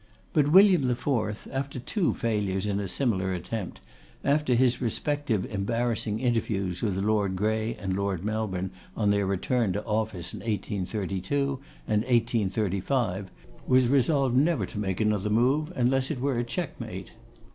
But William IV., after two failures in a similar attempt, after his respective embarrassing interviews with Lord Grey and Lord Melbourne, on their return to office in 1832 and 1835, was resolved never to make another move unless it were a checkmate.